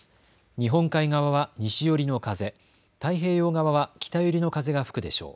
日本海側は西寄りの風、太平洋側は北寄りの風が吹くでしょう。